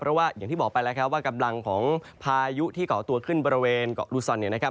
เพราะว่าอย่างที่บอกไปแล้วครับว่ากำลังของพายุที่เกาะตัวขึ้นบริเวณเกาะลูซอนเนี่ยนะครับ